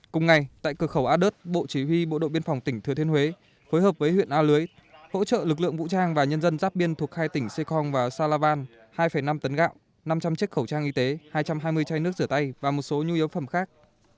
cùng ngày tại cửa khẩu ad bộ chỉ huy bộ đội biên phòng tỉnh thừa thiên huế phối hợp với huyện a lưới hỗ trợ lực lượng vũ trang và nhân dân giáp biên thuộc hai tỉnh sê kong và salavan hai năm tấn gạo năm trăm linh chiếc khẩu trang y tế hai trăm hai mươi chai nước rửa tay và một số nhu yếu phẩm khác